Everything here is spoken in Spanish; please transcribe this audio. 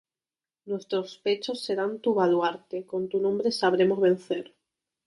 Nuestros pechos serán tu baluarte, con tu nombre sabremos vencer